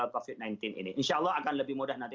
covid sembilan belas ini insya allah akan lebih mudah nanti